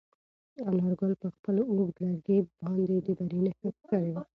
انارګل په خپل اوږد لرګي باندې د بري نښه کښلې وه.